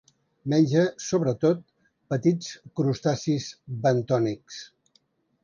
Menja sobretot petits crustacis bentònics.